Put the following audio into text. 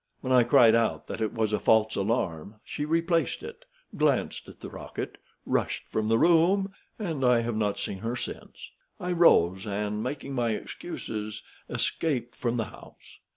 When I cried out that it was a false alarm, she replaced it, glanced at the rocket, rushed from the room, and I have not seen her since. I rose, and, making my excuses, escaped from the house.